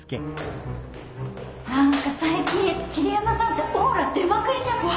何か最近桐山さんってオーラ出まくりじゃない？